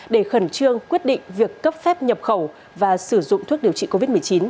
để khẩn trương quyết định việc cấp phép nhập khẩu và sử dụng thuốc điều trị covid một mươi chín